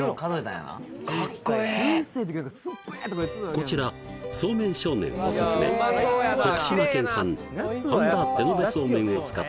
こちらそうめん少年おすすめ徳島県産半田手延べそうめんを使った